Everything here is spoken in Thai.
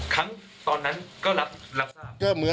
ครั้งตอนนั้นก็รับทราบเยอะ